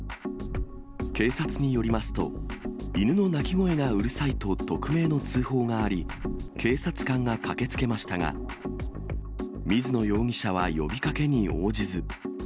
警察によりますと、犬の鳴き声がうるさいと匿名の通報があり、警察官が駆けつけましたが、水野容疑者は呼びかけに応じず。